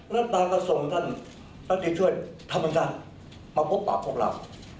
รัฐบาลก็ส่งท่านรัฐติจช่วยธรรมดามาพบปากพวกเรา